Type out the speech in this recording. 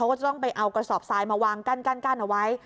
ก็จะต้องไปเอากระสอบทรายมาวางกั้นเอาไว้